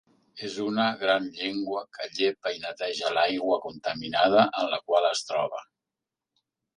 És una gran llengua que llepa i neteja l’aigua contaminada en la qual es troba.